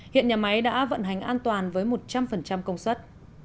hiện nhà máy đã vận hành an toàn với một trăm linh công suất